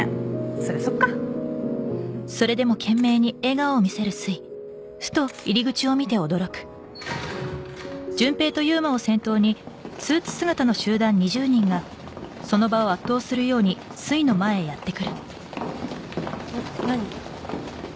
そりゃそっか何？